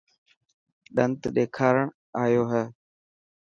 ڏنت ڏيکارڻ ايو هي.